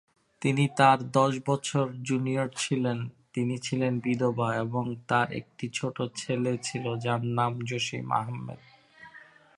তিনি তার দশ বছর জুনিয়র ছিলেন, তিনি ছিলেন বিধবা, এবং তার একটি ছোট ছেলে ছিল যার নাম জসিম আহমেদ।